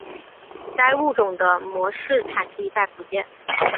该物种的模式产地在福建。